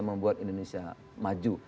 membuat indonesia maju